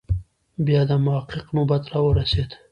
بیا د محقق نوبت راورسېد.